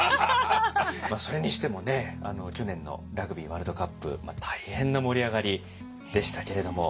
まあそれにしてもね去年のラグビーワールドカップ大変な盛り上がりでしたけれども。